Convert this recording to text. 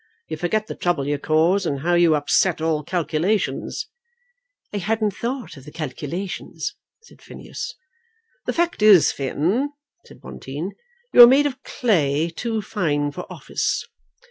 You forget the trouble you cause, and how you upset all calculations." "I hadn't thought of the calculations," said Phineas. "The fact is, Finn," said Bonteen, "you are made of clay too fine for office.